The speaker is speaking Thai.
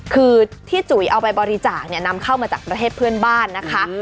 คือที่จุ๋ยเอาไปบริจาคเนี่ยนำเข้ามาจากประเทศเพื่อนบ้านนะคะ